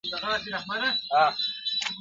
زما به هم د غزلونو، دېوان وي، او زه به نه یم؛